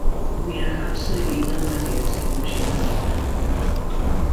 We had absolutely no idea to whom she belonged.